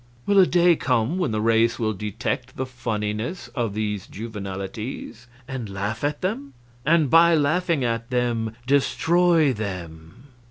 Will a day come when the race will detect the funniness of these juvenilities and laugh at them and by laughing at them destroy them?